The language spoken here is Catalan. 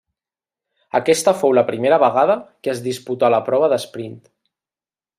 Aquesta fou la primera vegada que es disputà la prova d'esprint.